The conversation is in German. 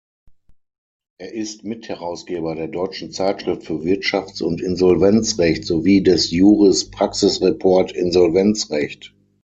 Er ist Mitherausgeber der Deutschen Zeitschrift für Wirtschafts- und Insolvenzrecht sowie des Juris-Praxisreport Insolvenzrecht.